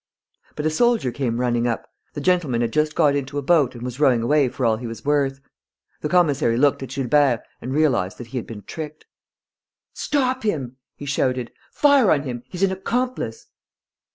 But a soldier came running up. The gentleman had just got into a boat and was rowing away for all he was worth. The commissary looked at Gilbert and realized that he had been tricked: "Stop him!" he shouted. "Fire on him! He's an accomplice!..."